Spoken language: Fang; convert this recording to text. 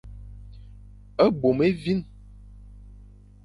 Bôm évîn.